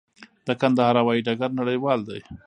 د کندهار هوايي ډګر نړیوال دی؟